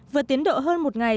vượt tiến độ hơn một ngày